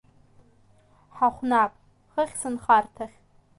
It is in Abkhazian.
Ҳахәнап, хыхь сынхарҭахь.